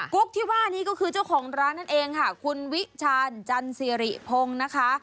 ุ๊กที่ว่านี้ก็คือเจ้าของร้านนั่นเองค่ะคุณวิชาญจันสิริพงศ์นะคะ